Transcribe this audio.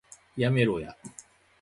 やめろや